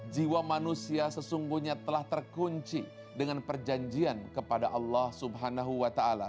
jiwa manusia sesungguhnya telah terkunci dengan perjanjian kepada allah swt